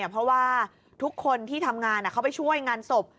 เพราะว่าทุกคนที่ทำงานเขาไปช่วยงานศพ